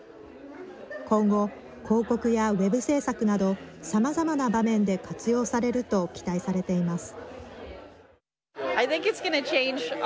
今後、広告やＷＥＢ制作などさまざまな場面で活用されると期待されています。